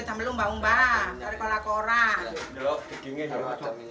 sistem pembelajaran negeri angkat dan menanggung kendengaran diri